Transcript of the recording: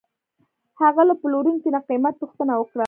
هغه له پلورونکي نه قیمت پوښتنه وکړه.